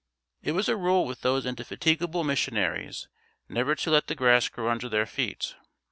It was a rule with these indefatigable missionaries never to let the grass grow under their feet.